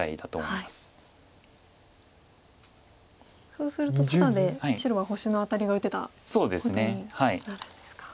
そうするとタダで白は星のアタリが打てたことになるんですか。